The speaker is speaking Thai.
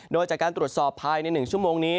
โดยจากการตรวจสอบภายใน๑ชั่วโมงนี้